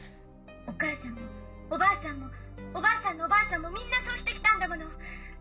・お母さんもおばあさんもおばあさんのおばあさんもみんなそうして来たんだもの